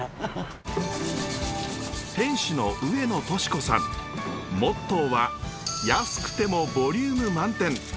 店主のモットーは安くてもボリューム満点。